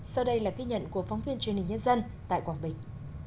sau đây là ký nhận của phóng viên truyền hình nhân dân tại quảng bình